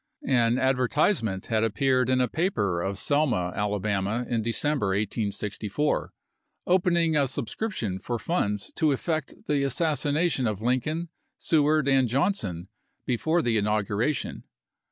An advertise ment had appeared in a paper of Selma, Alabama, in December, 1864, opening a subscription for funds to effect the assassination of Lincoln, Seward, and Johnson before the inauguration.